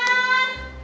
pakai karet dua